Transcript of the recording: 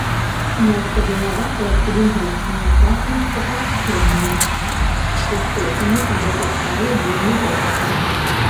Ножка белаватая, цыліндрычная, часам з патаўшчэннем, з пустотамі або пустая, вельмі жорсткая.